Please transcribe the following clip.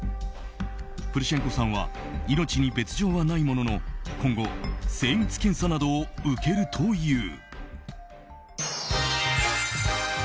プルシェンコさんは命に別条はないものの今後、精密検査などを受けるという。